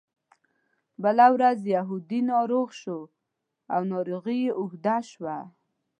بله ورځ یهودي ناروغ شو او ناروغي یې اوږده شوه.